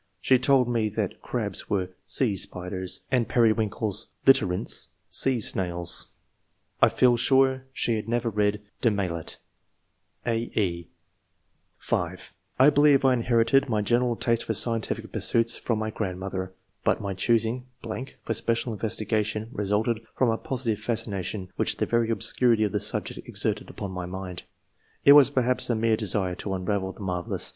She told me that crabs were * sea spiders/ and periwinkles {UtKyrince) 'sea snails/ I feel sure she had never read * De Maillet !'.../' (a, e) (5) " I believe I inherited my general taste for scientific pursuits from my grandmother; but my choosing .... for special investigation re sulted from a positive fascination which the very obscurity of the subject exerted upon my mind. It was perhaps a mere desire to unravel the marvellous.